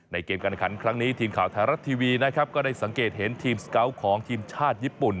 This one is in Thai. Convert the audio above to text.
เกมการขันครั้งนี้ทีมข่าวไทยรัฐทีวีนะครับก็ได้สังเกตเห็นทีมสเกาะของทีมชาติญี่ปุ่น